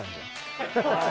ハハハハハ！